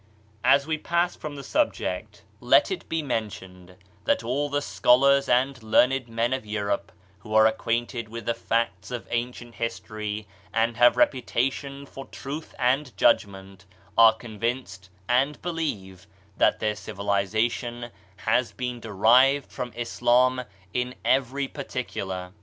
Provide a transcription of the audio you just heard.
As we pass from 104 Digitized by Google OF CIVILIZATION the subject, let it be mentioaed that all the scholars and learned men of Europe, who are acquainted with the facts of ancient history and have a repu tation for truth and judgment, are convinced and believe that their civilization has been derived from Islam in every particular.